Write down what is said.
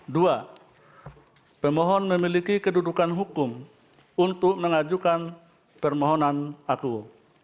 dua pemohon memiliki kedudukan hukum untuk mengajukan permohonan akuo